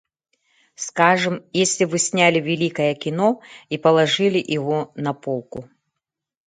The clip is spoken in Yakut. Скажем, если вы сняли великое кино и положили его на полку.